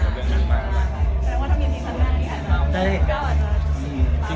กับเรื่องนั้นมา